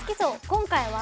今回は。